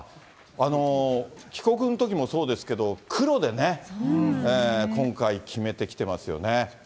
帰国のときもそうですけど、黒でね、今回決めてきてますよね。